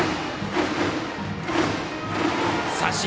三振。